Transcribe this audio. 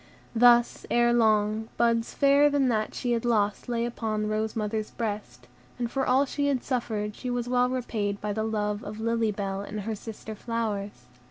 Thus, erelong, buds fairer than that she had lost lay on the rose mother's breast, and for all she had suffered she was well repaid by the love of Lily Bell and her sister flowers.